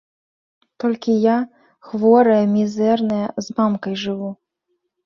Толькі я, хворая, мізэрная, з мамкай жыву.